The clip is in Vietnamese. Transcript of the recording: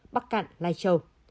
bắc cạn lai châu